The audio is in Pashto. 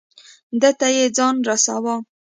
ده ته یې ځان رساو.